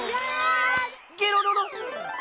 ゲロロロ。